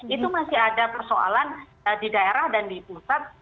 itu masih ada persoalan di daerah dan di pusat